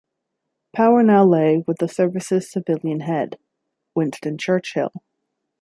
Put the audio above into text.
Power now lay with the service's civilian head ... Winston Churchill.